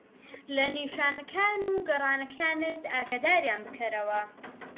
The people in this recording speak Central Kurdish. لە نیشانەکان و گەرانەکانت ئاگاداریان بکەرەوە.